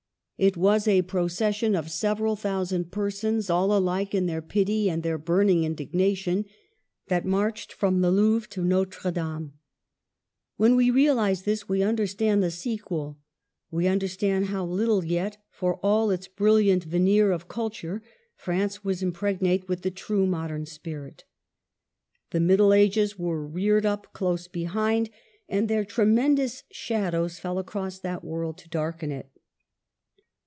It was a procession of several thousand persons, all alike in their pity and their burning indignation, that marched from the Louvre to Notre Dame. When we realize this, we under stand the sequel ; we understand how little yet, for all its brilliant veneer of culture, France was impregnate with the true modern spirit. The Middle Ages were reared up close behind, and their tremendous shadows fell across that world to darken it.